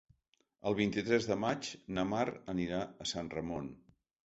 El vint-i-tres de maig na Mar anirà a Sant Ramon.